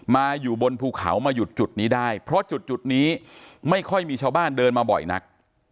อยู่บนภูเขามาหยุดจุดนี้ได้เพราะจุดนี้ไม่ค่อยมีชาวบ้านเดินมาบ่อยนัก